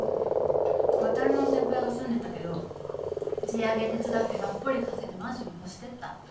ワタルの先輩が住んでたけど地上げ手伝ってがっぽり稼いでマンションに越してった。